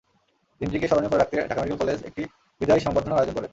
দিনটিকে স্মরণীয় করে রাখতে ঢাকা মেডিকেল কলেজ একটি বিদায় সংবর্ধনার আয়োজন করে।